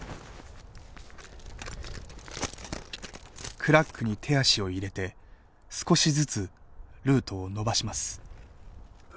クラックに手足を入れて少しずつルートを延ばします。